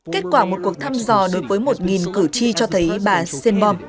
kết quả một cuộc thăm dò đối với một cử tri cho thấy bà sainbom